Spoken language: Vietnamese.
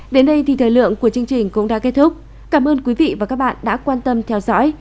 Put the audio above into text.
đến đây thì thời lượng của chương trình cũng đã kết thúc cảm ơn quý vị và các bạn đã quan tâm theo dõi